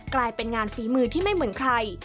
กลายเป็นงานฝีมือที่ไม่เหมือนใคร